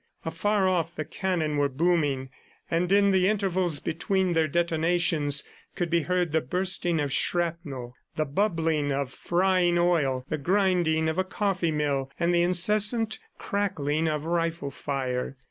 Afar off the cannon were booming, and in the intervals between their detonations could be heard the bursting of shrapnel, the bubbling of frying oil, the grinding of a coffee mill, and the incessant crackling of rifle fire.